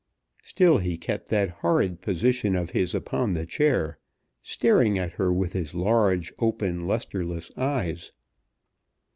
Still he kept that horrid position of his upon the chair, staring at her with his large, open, lustreless eyes.